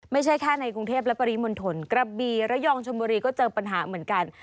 ไม่ใช่แค่ในกรุงเทพและปริมณฑลกระบีระยองชนบุรีก็เจอปัญหาเหมือนกัน